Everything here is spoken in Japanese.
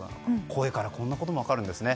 声からこんなことも分かるんですね。